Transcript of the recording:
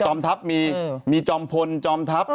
จอมทัพมีจอมพลจอมทัพ